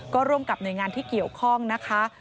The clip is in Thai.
ก็ร่วมกับหน่วยงานที่เกี่ยวข้องนะคะ